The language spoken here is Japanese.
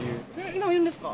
今もいるんですか？